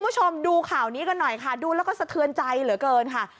คุณผู้ชมดูข่าวนี้กันหน่อยค่ะดูแล้วก็สะเทือนใจเหลือเกินค่ะ